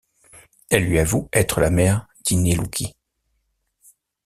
Elle lui avoue être la mère d'Ineluki.